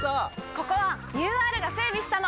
ここはＵＲが整備したの！